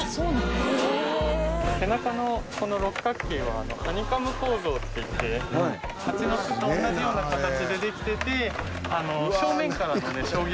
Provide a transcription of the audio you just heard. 背中のこの六角形はハニカム構造っていって蜂の巣と同じような形でできてて正面からの衝撃には強い。